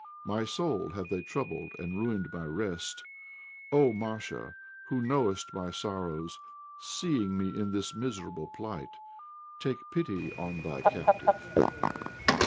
My soul have they troubled and ruined my rest. "Oh! Masha, who knowest my sorrows, Seeing me in this miserable plight, Take pity on thy captive."